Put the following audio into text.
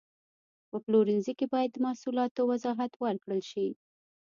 په پلورنځي کې باید د محصولاتو وضاحت ورکړل شي.